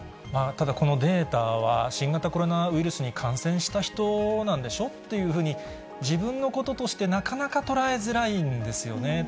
ただこのデータは、新型コロナウイルスに感染した人なんでしょっていうふうに、自分のこととして、なかなか捉えづらいんですよね。